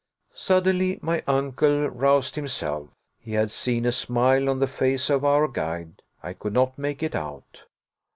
Suddenly my uncle roused himself. He had seen a smile on the face of our guide. I could not make it out.